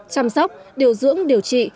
chăm sóc điều dưỡng điều trị